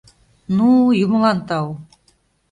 — Ну, юмылан тау!